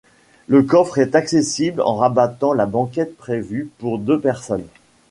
Le coffre est accessible en rabattant la banquette prévue pour deux personnes.